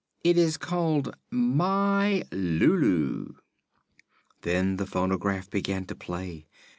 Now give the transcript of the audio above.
It is called 'My Lulu.'" Then the phonograph began to play.